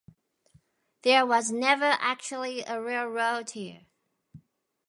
There was never actually a railroad here.